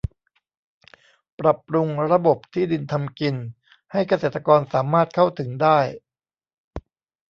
ปรับปรุงระบบที่ดินทำกินให้เกษตรกรสามารถเข้าถึงได้